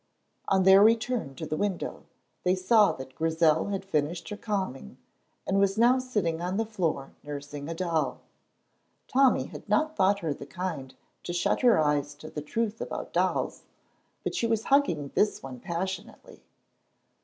On their return to the window, they saw that Grizel had finished her ca'ming and was now sitting on the floor nursing a doll. Tommy had not thought her the kind to shut her eyes to the truth about dolls, but she was hugging this one passionately.